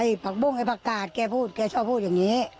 ผักบุ้งไอ้ผักกาดแกพูดแกชอบพูดอย่างนี้